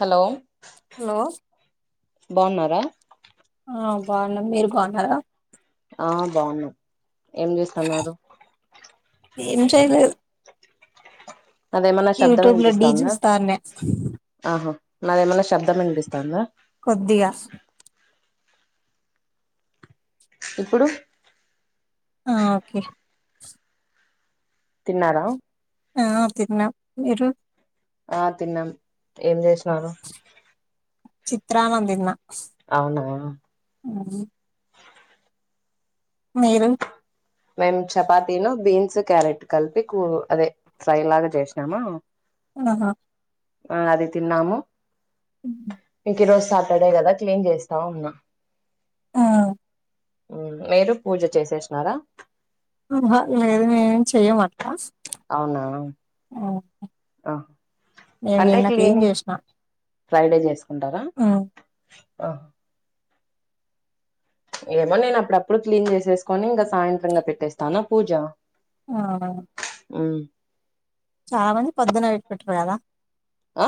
Hello లో బావున్నారా బాగున్నాం మీరు బాగున్నారా ఆ బాగునం ఏం చూస్తన్నారు ఏం చేయదు అదేమన్నా శబ్దం లో ఢీ వినిపిస్తాందా చూస్తానే ఆహా నాదేమన్నా శబ్దం వినిపిస్తన్దా కొద్దిగా ఇప్పుడు ఆ ఓకే తిన్నారా ఆ తిన్నాం మీరు ఆ తిన్నాం ఏం చేసినారు చిత్రామందిన్న అవునా మీరు మేము చపాతీను బీన్స్ క్యారెట్ కలిపి కూ అదే ఫ్రై లాగా చేసినామా ఆహ అ అది తిన్నాము ఇంకిరోజ్ సాటర్డే కదా క్లీన్ చేస్తా ఉన్నా ఆ మీరు పూజ చేసేసినారా ఆహ ఏం మేం చేయమ అవునా ఆ నేను నిన్న క్లీన్ చేసిన ఫ్రైడే చేసుకుంటారా ఉమ్, ఏమో నేనప్పుడప్పుడు క్లీన్ చేసేసుకొని ఇంకా సాయంత్రంగా పెట్టేస్తాను పూజ ఆహ ఉమ్ చాలా మంది పొద్దున్న పెట్టుకుంటరు కదా ఆ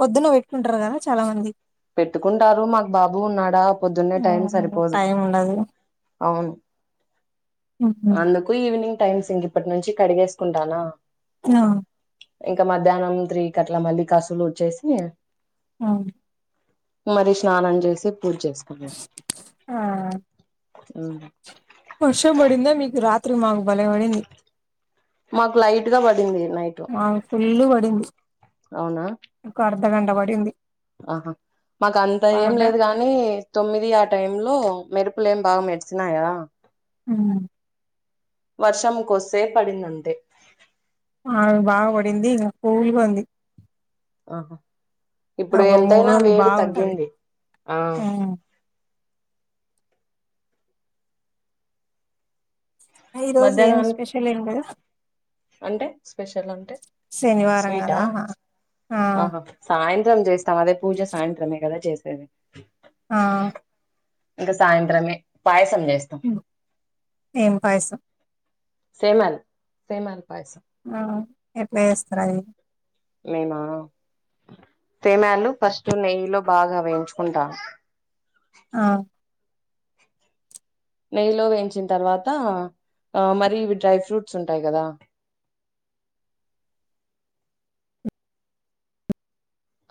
పొద్దున్న పెట్టుకుంటరు కదా చాలా మంది పెట్టుకుంటారు మాకు బాబు ఉన్నాడా పొద్దున్నే టైం ఉమ్, సరిపోదు టైం ఉండదు అవును ఉమ్, అందుకు ఈవినింగ్ టైమ్స్ ఇంక ఇప్పటి నుంచి కడిగేసుకుంటానా ఆ ఇంకా మధ్యాహ్నం త్రీకి అట్లా మళ్ళీ కసులు ఉచ్చేసి ఆ మరి స్నానం చేసి పూజ చేసుకున్నా ఆ, ఉమ్ వర్షం పడిందా మీకు రాత్రి మాకు భలే పడింది మాకు లైట్ గా పడింది నైటు ఇళ్ళు పడింది అవునా ద్ద గంటబడింది ఆహ మాకు అంత ఏం లేదు గాని తొమ్మిది ఆ టైమ్ లో మెరుపులేం బాగా మెరుస్తున్నాయా ఉమ్ వర్షంకొస్తే పడిందంతే ఆ బాగా పడింది ఇంకా కూలుగా ఉంది ఆహ ఇప్పుడు ఒక మూడు ఎంతైనా రోజులు వేడి బాగుంటది తగ్గింది ఆ ఈ రోజు ఏం మధ్యాహ్నానికి స్పెషల్ ఎం లేదా అంటే స్పెషల్ అంటే శనివారం స్వీటా కదా ఆ ఆహా సాయంత్రం [unintelligible] చేస్తాం అదే పూజ సాయంత్రమే కదా చేసేది ఆ ఇంక సాయంత్రమే పాయసం చేస్తాం హ్మ్ ఏం పాయసం షేమల్ షేమ్యాల్ పాయ్షం ఆ ఎట్లా వేస్తారది నేనా ఫేమ్యాలు ఫస్ట్ నెయ్యిలో బాగా వేయించుకుంట ఆ నెయ్యిలో వేయించిన తర్వాత ఆ మరి ఇవి డ్రై ఫ్రూట్స్ ఉంటాయి కదా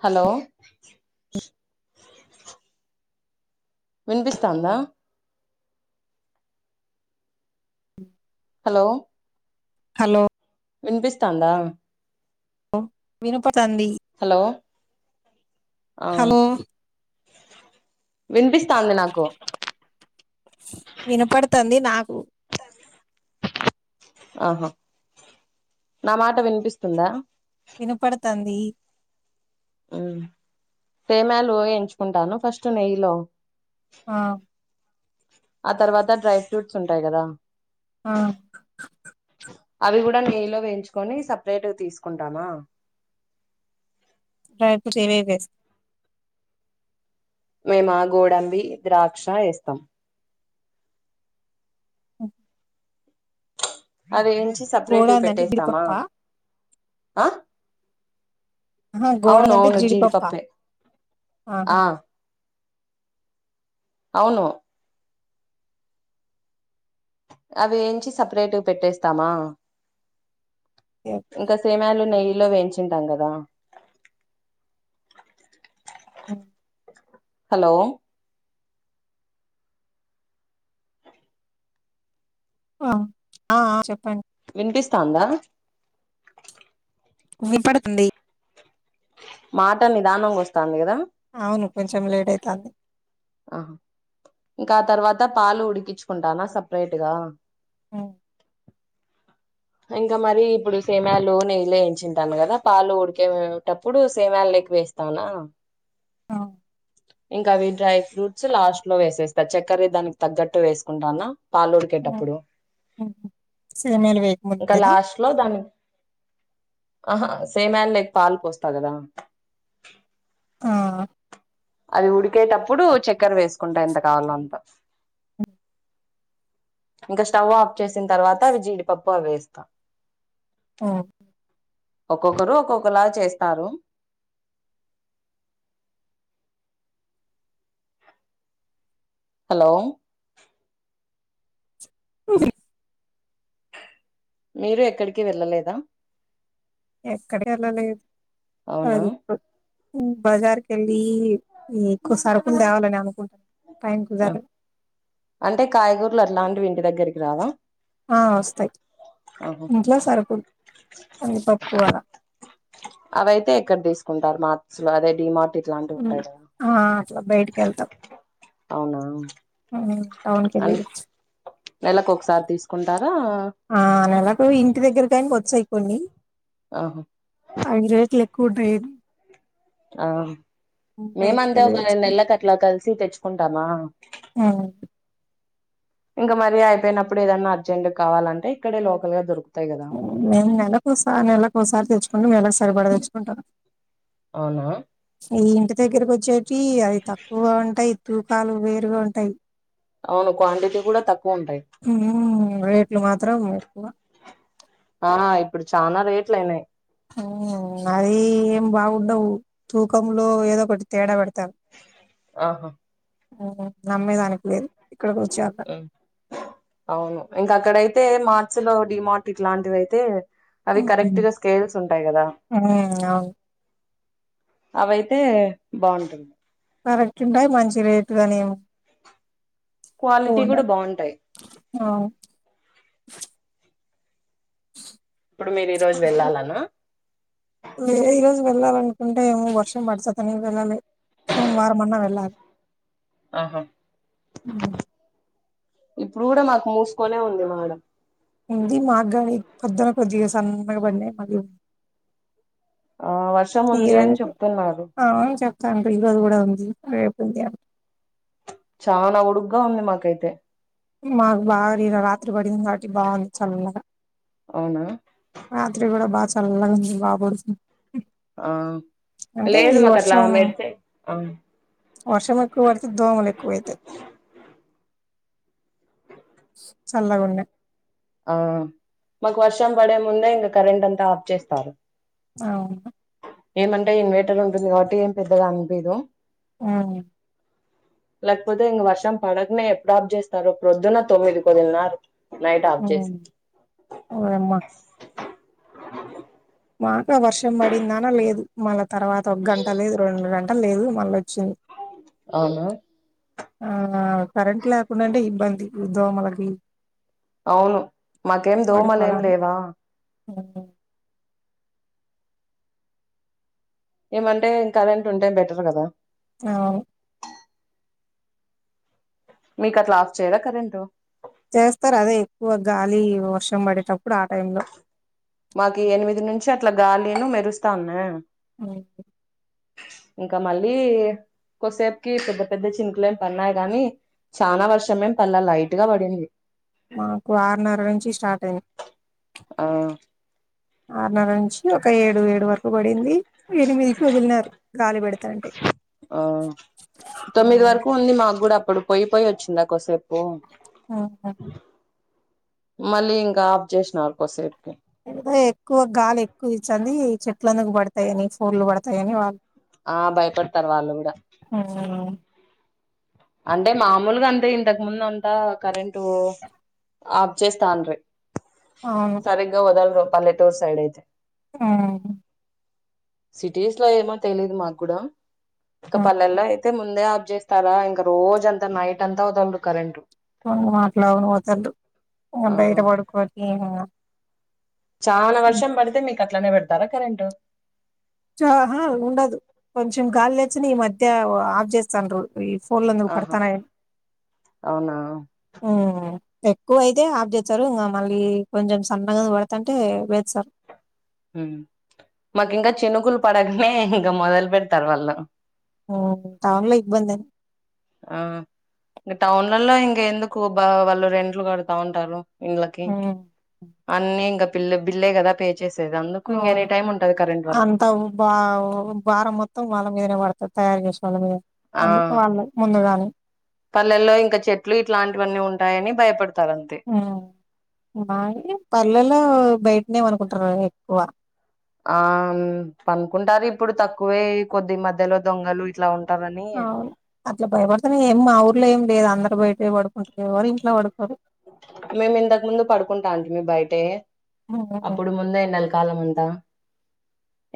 హలో వినిపిస్తాందా హలో హలో వినిపిస్తాందా వినపడతాంది హలో ఆ హలో వినిపిస్తాంది నాకు వినపడతాంది నాక్ మ్ ఆహా నా మాట వినిపిస్తుందా వినపడతాంది హ్మ్ తేమ్యాలు వేయించుకుంటాను ఫస్ట్ నెయ్యిలో ఆ ఆ తర్వాత డ్రై ఫ్రూట్స్ ఉంటాయి కదా ఆ అవి కూడా నెయ్యిలో వేయించుకొని సపరేట్ తీసుకుంటామా రైప్రూట్ ఏమే వేస్తా మేమ్ ఆగోడంబి ద్రాక్ష వేస్తాం మ్ అవి ఎంచ్చి సపరేట్వి గోడంది అంటే పెట్టేస్తామా జీడిపప్ప ఆ ఆహా అవును గోడంది అంటే అవును జీడి జీడిపప్ప పప్పే ఆహా ఆ అవును అవి ఏంచి సపరేట్ పెట్టేస్తామా ఓకే ఓకే ఇంకా సేమాలు ఉన్నాయి నెయ్యిలో వెయ్యించుంటం కాద ఆ హలో ఆ ఆఆ చెప్పండి వినిపిస్తాందా వినపడుతుంది మాట నిదానంగా వస్తాంది కదా అవును కొంచెం లేట్ అయితాంది ఆహా ఇంకా ఆ తర్వాత పాలు ఉడికించుకుంటానా సపరేట్ గా ఉమ్ ఇంకా మరి ఇప్పుడు సేమియాలు నెయ్యిల యేంచింటాను గదా పాలు ఉడికేటప్పుడు సేమియాలు వేస్తావునా ఇంకా అవి డ్రై ఫ్రూట్స్ లాస్ట్ లో వేసేస్తా చక్కర దానికి తగ్గట్టు వేసుకుంటానా పాలు ఉడికేటప్పుడు ఉమ్ సేమియాలు వేయ్ ఇంకా లాస్ట్ లో దాన్ని ఆహా సేమియాలు లైక్ పాల్ పోస్తా గదా ఆ అవి ఉడికేటప్పుడు చక్కెర వేసుకుంటా ఎంత కావాలో అంత ఇంకా స్టవ్ ఆఫ్ చేసిన తర్వాత అవి జీడిపప్పు అవి వేస్తా ఉమ్ ఒక్కొక్కరు ఒక్కొక్కలా చేస్తారు హలో [unintelligible] మీరు ఎక్కడికి వెళ్ళలేదా ఎక్కడి కెళ్ళాలి అవునా అది ఇప్పుడు బజార్కి యెళ్ళి ఎక్కువ సరుకులు తేవాలని అనుకుంటున్నా టైం ఆ కుదరదు అంటే కాయగూరలు అట్లాంటి ఇంటి దగ్గరికి రావా ఆ వస్తాయి ఆహా ఇంట్లో సరుకులు కంది పప్పు అలా అవైతే ఎక్కడ దీసుకుంటారు మార్టు లో అదే డీమార్ట్ ఇట్లాంటివి హ్మ్. ఉంటాయి గదా ఆ అట్లా బయటికి వెళ్తాం అవునా టౌన్ కి అం వెళ్ళి నెలకు ఒకసారి తీసుకుంటా ఆ నెలాకు ఇంటి దగ్గరకాని వచ్చాయి కొన్ని ఆహా అవి రేట్లు ఎక్కువ ఉంటాయని ఆ మేమ్ అంతే వెళ్ళి ఒక రెండు నెల్లకు అట్లా కలిసి తెచ్చుకుంటామా ఉమ్ ఇంగ మరీ అయిపోయినప్పుడు ఏదన్నా అర్జెంట్ కావాలంటే ఇక్కడే లోకల్ గా దొరు మేము నెలకొసారి నెలకొసారి తెచ్చుకుంటా నేలకు సరిపడా తెచ్చుకుంటాం అవునా ఈ ఇంటి దగ్గరకి వచ్చేటివి అవి తక్కువగా ఉంటాయి తూకాలు వేరుగా ఉంటాయి అవును క్వాంటిటీ గూడా తక్కు ఉమ్ రేట్లు మాత్రం ఎక్కువ ఆ ఇప్పుడు చానా రేట్లు అయినాయ్ ఉమ్ అది ఏం బాగుండవు తూకంలో ఏదో ఒకటి తేడా పెడత ఆహా ఉమ్ నమ్మేదానికి లేదు ఇక్కడికి వచ్చాక అవును ఇంకా అక్కడ అయి తే మార్ట్స్ లో డీమార్ట్ ఇట్లాంటివి అయితే అవి కరెక్ట్ ఉమ్ గా స్కేల్స్ ఉంటాయి గదా అవును అవైతే బాగుంటుంది కరెక్ట్ ఉంటాయి మంచి రేటు గానీ క్వాలిటీ కూడా కొనక్ బాగుంటాయి ఆ ఇప్పుడు మీరు ఈ రోజు వెళ్ళాలనా యే ఈ రోజు వెళ్ళాలనుకుంటే ఏమో వర్షం పడిసత్తనే వెళ్ళాలి సోమవారం అన్నా వెళ్ళాలి ఆహా ఇప్పుడు కూడా మాకు మూసుకోనే ఉంది మేడం ఉంది మాగాడి పొద్దున కొద్దిగా సన్నగా పడినాయి మది ఆ వర్షం ఉంది అని ఈజు చెప్తున్నారు అవును చెప్పండి ఈజు కూడా ఉంది అయిపోయింది చనా ఉడుగా ఉంది మాకైతే మాకు బాగా రాత్రి పడింది కాబట్టి బాగుంది చల్లగా అవునా రాత్రి కూడా బాగా చల్గా ఉంది బా పడుకున్నం ఆ లేదు మాకు అట్లా వర్షం మేడితే వర్షం ఎక్కువైతే దోములు ఎక్కువ అయితాయి చల్లాగా ఉంనాయి ఆ మాకు వర్షం పడే ముందే ఇంకా కరెంట్ అంతా ఆఫ్ చేస్తారు అవును ఏమంటే ఇన్వర్టర్ ఉంటుంది కాబట్టి ఏం పెద్దగా అనిపియదు ఆ [unintelligible] లేకపోతే ఇంక వర్షం పడకనే ఎప్పుడు ఆప్ చేస్తారు ప్రొద్దున తొమ్మిది పదిన్నరకి నై ఉ ఓయమ్మా [unintelligible] మాక వర్షం పడిందాని లేదు మళ్ళ తర్వాత ఒక గంట లేదు రెండు గంట లేదు మళ్ళ అవునా ఆ కరెంట్ లేకుండాంటే ఇబ్బంది ఈ దోమలకి అవును మాకేం వాటి దోమలేం పొలాన్ని లేవా [unintelligible] ఏమంటేం కరెంట్ ఉంటే బెటర్ కదా అవును మీకు అట్లా అఫ్ చేయరా కరెంట్ చేస్తారు అదే ఎక్కువ గాలి వర్షం పడేటప్పుడు ఆ టైమ్ లో లో మాకు ఎనిమిది నుంచి అట్లా గాలిను మెరుస్తా ఉన్నా ఆహా ఇంకా మళ్ళీ కొసేపుకి పెద్ద పెద్ద చినుకులు ఏమి పన్నాయి గాని చాలనా వర్షమేం పల్లె లైట్ గా పడింది మాకు ఆరున్నర నుంచి స్టార్ట్ అయింది ఆ ఆరున్నర నుంచి ఒక ఏడు ఏడు వరకు పడింది ఎనిమిదికి వదిలినారు గాలి పెడతంటే ఆ తొమ్మిది వరకు ఉంది మాకు కూడా అప్పుడు పోయి పోయి వచ్చిందా కోసేపు ఉహు మళ్ళీ ఇంకా ఆఫ్ చేసినారు కొద్దిసేపు ఇంకా ఎక్కువ గాలి ఎక్కువ ఇచ్చంది చెట్లందుకు పడతాయని ఫోర్లు పడతాయని వాళ్ళు ఆ భయపడతారు వాళ్ళు కూడా హ్మ్. అంటే మామూలుగా అంటే ఇంతకు ముందు అంతా కరెంటు ఆప్ చేేస్తాన్ రీ అవును సరిగ్గా వాదలారు పల్లెటూర్ సైడ్ అయితే ఆ సిటీస్ లో ఏమో తెలియదు మాకు కూడా ఇంకా పల్లెల్లో అయితే ముందే అ చేస్తారా ఇంక రోజ్ అంతా నైట్ అంతా ఓడల్దు కరెంట్ కొ మాట్లాడంది ఓడల్దు ఉ ఆ బయట పడుకొని చానా వర్షం పడితే మీకు అట్లనే పెడతారా కరెంటు చానా ఉండదు కొంచెం గాలి లేచిని ఈ మధ్య ఆఫ్ చేస్తాండ్రు ఈ ఫోన్లందుకు ఆహా పడ్తానయి అవునా ఎక్కువ అయితే ఆఫ్ చేస్తారు ఇంకా మళ్ళీ కొంచెం సన్నగా పెడతంటే వేస్తారు మాకు ఇంకా చినుకులు పడగానే ఇంకా మొదలు పెడతారు వాళ్ళు ఆ టాన్లో ఇబ్బందం ఆ ఇంకా టోన్లల్లో ఇంక ఎందుకు వాళ్ళు రెంట్లు కడతా ఉంటారు ఇళ్ళకి హ్మ్. హ్మ్. అన్నీ ఇంకా పిల్ల బిల్లే కదా పే చేసేది అందుకు ఇంక అవును ఎనీ టైమ్ ఉంటది కరెంట్ వాళ్ళకు అంతా బా భారం మొత్తం వల్ల మీదనే పడుతుంది తయారు చేస్ ఆ ఆ అందుకు వాళ్ళు ముందుగాని పల్లెల్లో ఇంకా చెట్లు ఇట్లాంటివన్నీ ఉంటాయని భయపడతారు అంతే హు బాయి పల్లెల్లో బయటనే పండుకుంటారు ఎక్కువ ఆ పనుకుంటారు ఇప్పుడు తక్కువే కొద్ది మధ్యలో దొంగలు ఇట్లా ఉం అవును అట్లా భయపడుతనే ఏం మా ఊర్లో ఏం లేదు అందరు బయటనే పడు మేము ఇంతకు ముందు పడుకుంటా అంటిమీ బయట టే హ్మ్. అప్పుడు ముందే ఎండల కాలం అంటా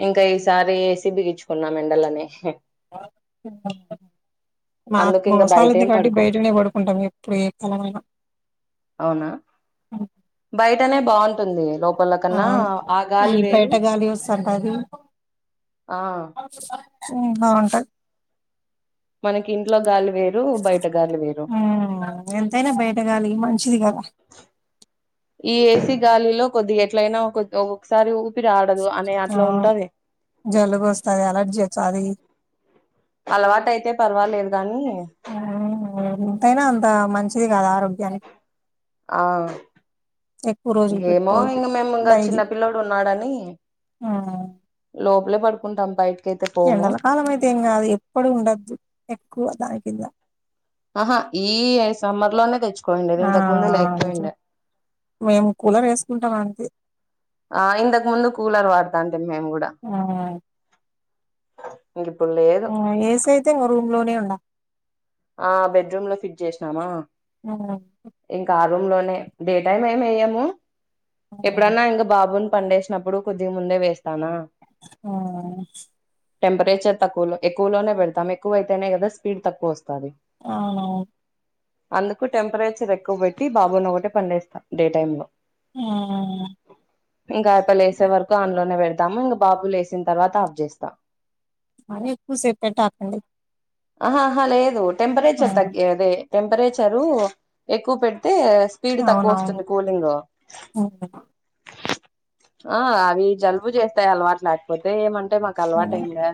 ఇంకా ఈసారి ఏసి బిగించుకున్నాం ఎండలని [unintelligible] నాకు అందుకు ఇంకా మూడుశాల బయట ఉంది ఏం కాబట్టి పడుకోం బయటనే పడుకుంటాం ఎప్పుడు ఏ కాలమైన అవునా బయటనే బాగుంటుంది లోప్ అవును ఈ బయటా గాలి వూస్తుంటాది ఆ హు బాగుంటాయి మనకి ఇంట్లో గాలి వేరు బయట గాలి వేరు ఉమ్, ఎంతైనా బయటగాలి మంచిది కదా ఈ ఏసీ గాలిలో కొద్దిగా ఎట్లయినా ఒకరితో ఒకసారి ఆ జలుబోస్తది అలెర్జీ ఆది అలవాటు అయితే పర్వాలేదు గానీ అయినా అంత మంచిది కాదు ఆరోగ్యానికి ఆ ఎక్కువ రోజులు ఇంకేమో పెట్టుకోవద్దు ఇంగ మేం ఉండం చిన్న పిల్లడున్నాడని ఆ లా పడుకుంటాం బయటికి ఎండల కాలం అయితే ఏం కాదు ఎప్పుడు ఉండద్దు ఎక్కువ దాని కింద ఆహా ఈ సమ్మర్ లోనే తెచ్చుకోంసడిద్ది ఆ ఇంతకు ముందు అట్లా. లేకపోయిండే మేము కూలర్ వేసుకుంటాం అండి ఆ ఇంతకు ముందు కూలర్ వాడతాంటిమి మేము కూడా ఉమ్, ఇంక ఇప్పుడు లేదు ఏసయితే ఇంగ రూమ్ లోనే ఉండా ఆ బెడ్రూమ్ లో ఫిట్ చేసినామా ఆ రూం లోనే డే టైం ఏం ఏయ్యాం ఉమ్, ఎప్పుడన్నా ఇంగ బాబు పండేసినప్పుడు కొద్దిగా ముందే వేస్తానా ఆ టెంపరేచర్ తక్కువలో ఎక్కువలోనే పెడతాం ఎక్కువ ఐతేనే కదా స్పీడ్ తక్కువ వస్తాది అవునవును అందుకు టెంపరేచర్ ఎక్కువ పెట్టి బాబుని ఒకటే పండేస్తాం డే టైమ్ లో ఉమ్. ఇంకా అయ్యప్ప లేసేవరకు అన్ లో నే పెడుత తం ఇంక బాబు లేసిన తర్వాత ఆఫ్ చేస్తా మరి ఎక్కువ సేపు పెట్టాకండి ఆహహా లేదు టెంపరేచర్ తగ్గేదే టెంపరేచరు ఎక్కువ పెడితే స్పీడ్ తక్కువ అవునవును వస్తుంది కూలింగ్ లో హ్మ్. ఆ అవి జలుబు చేస్తాయి అలవాటు లేకపోతే ఏమంటే మాకు అలవాట్ హ్మ్. అయిందా